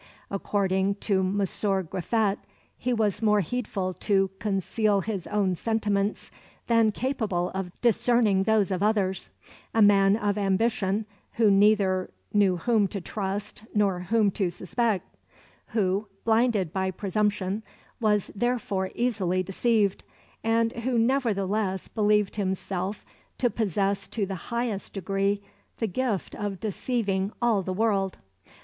According to M. Griffet, he was more heedful to conceal his own sentiments than capable of discerning those of others; a man of ambition who neither knew whom to trust nor whom to suspect; who, blinded by presumption, was therefore easily deceived, and who nevertheless believed himself to possess to the highest degree the gift of deceiving all the world.